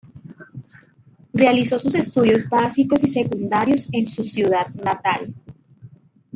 Realizó sus estudios básicos y secundarios en su ciudad natal.